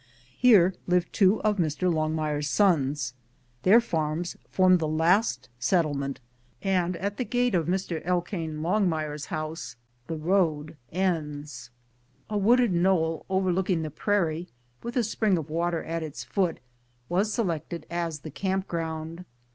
Here live two of Mr. Longmire's sons. Their farms form the last settlement, and at the gate of Mr. Elkane Longmire's house the road ends. A wooded knoll overlooking the prairie, with a spring of water at its foot, was selected as the camp ground.